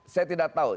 saya tidak tahu